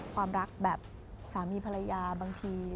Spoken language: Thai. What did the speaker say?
ความรักแบบสามีภรรยาบางที